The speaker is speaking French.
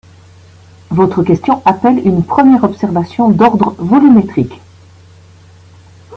Votre question appelle une première observation d’ordre volumétrique.